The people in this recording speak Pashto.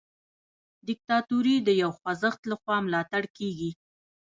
دیکتاتوري د یو خوځښت لخوا ملاتړ کیږي.